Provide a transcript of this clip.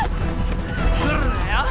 来るなよ？